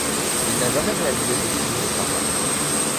Il n'a jamais réalisé de film parlant.